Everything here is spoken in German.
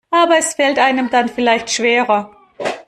Aber es fällt einem dann vielleicht schwerer.